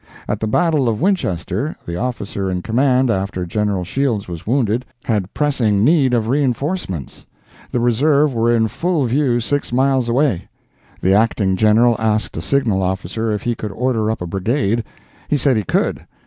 At the battle of Winchester, the officer in command after General Shields was wounded, had pressing need of reinforcements. The reserve were in full view six miles away. The Acting General asked a signal officer if he could order up a brigade. He said he could.